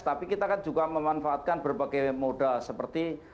tapi kita kan juga memanfaatkan berbagai moda seperti